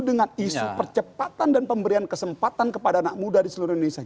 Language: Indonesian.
dengan isu percepatan dan pemberian kesempatan kepada anak muda di seluruh indonesia